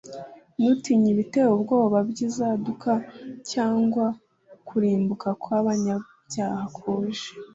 ntutinye ibiteye ubwoba by’inzaduka, cyangwa kurimbuka kw’abanyabyaha kuje